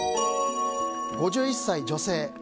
５１歳女性。